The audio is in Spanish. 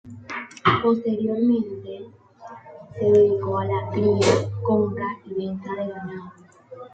Posteriormente se dedicó a la cría, compra y venta de ganado.